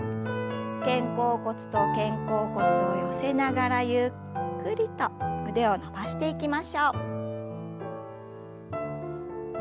肩甲骨と肩甲骨を寄せながらゆっくりと腕を伸ばしていきましょう。